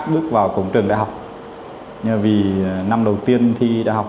bước vào cổng trường đại học vì năm đầu tiên thi đại học